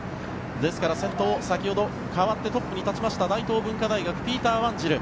ですから先頭先ほど、変わってトップに立った大東文化大学ピーター・ワンジル。